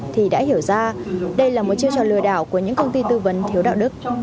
thì đã hiểu ra đây là một chiêu trò lừa đảo của những công ty tư vấn thiếu đạo đức